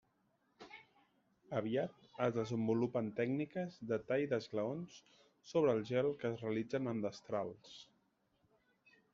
Aviat es desenvolupen tècniques de tall d'esglaons sobre el gel que es realitzen amb destrals.